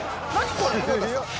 これ。